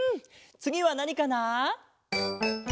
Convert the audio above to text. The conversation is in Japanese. つぎはなにかな？